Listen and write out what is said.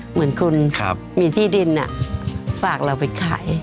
เหมือนคุณมีที่ดินฝากเราไปขาย